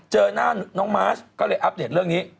เจอหน้าน้องมาร์ชก็เลยอัปเดตเรื่องนี้